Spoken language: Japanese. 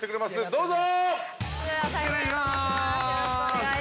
どうぞ！